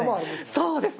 そうです。